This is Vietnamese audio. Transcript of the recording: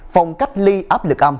phòng cách ly áp lực âm